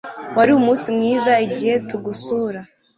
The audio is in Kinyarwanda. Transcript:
Wari umunsi mwiza igihe tugusura